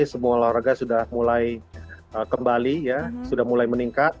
jadi semua olahraga sudah mulai kembali sudah mulai meningkat